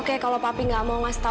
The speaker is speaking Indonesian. oke kalau papi gak mau ngasih tau